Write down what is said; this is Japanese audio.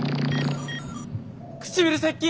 唇接近！